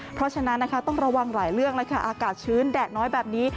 เพราะฉะนั้นนะคะต้องระวังหลายเรื่องเลยค่ะอากาศชื้นแดดน้อยแบบนี้